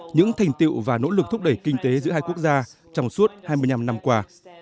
những thành tiệu và nỗ lực thúc đẩy kinh tế giữa hai quốc gia trong suốt hai mươi năm năm qua